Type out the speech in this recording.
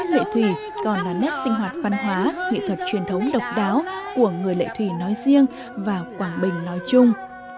lệ thủy còn là nét sinh hoạt văn hóa nghệ thuật truyền thống độc đáo của người lệ thủy nói riêng và quảng bình nói chung